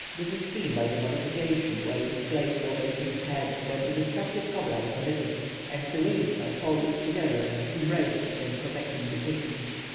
This is seen by the modification where it is placed over a king's head, when the destructive cobra is omitted, and the wings are folded together as embracing and protecting the king.